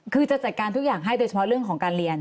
คือจะจัดการทุกอย่างให้โดยเฉพาะเรื่องของการเรียน